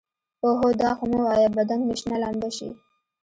اوهو دا خو مه وايه بدن مې شنه لمبه شي.